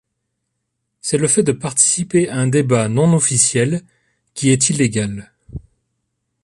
C'est le fait de participer à un débat non officiel qui est illégal.